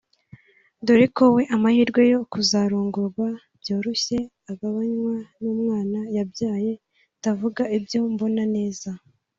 dore ko we amahirwe yo kuzarongorwa byoroshye agabanywa n’umwana yabyaye…ndavuga ibyo mbona neza